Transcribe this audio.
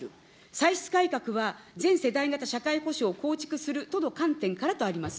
歳出改革は全世代型社会保障を構築するとの観点からとあります。